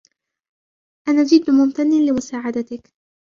أن جد ممتن لمساعدتك